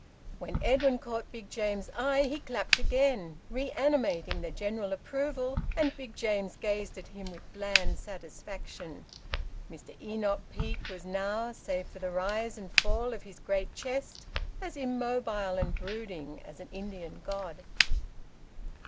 When Edwin caught Big James's eye he clapped again, reanimating the general approval, and Big James gazed at him with bland satisfaction. Mr Enoch Peake was now, save for the rise and fall of his great chest, as immobile and brooding as an Indian god.